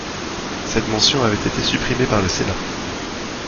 Cette mention avait été supprimée par le Sénat.